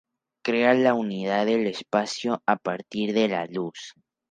Crea la unidad del espacio a partir de la luz.